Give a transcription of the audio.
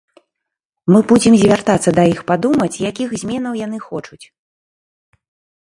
Мы будзем звяртацца да іх падумаць, якіх зменаў яны хочуць.